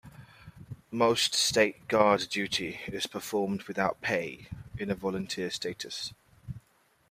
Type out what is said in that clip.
Most State Guard duty is performed without pay, in a volunteer status.